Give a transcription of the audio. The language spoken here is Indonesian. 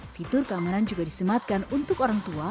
fitur keamanan juga disematkan untuk orang tua